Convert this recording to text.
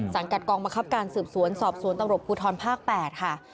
สังกัดกองมหักฆาตการณ์สืบสวนสอบสวนตำรวจภูทรภาค๘ค่ะ